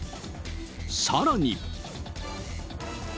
さらに。